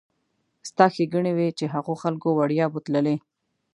ستا ښېګڼې وي چې هغو خلکو وړیا بوتللې.